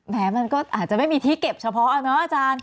มันก็อาจจะไม่มีที่เก็บเฉพาะเอาเนอะอาจารย์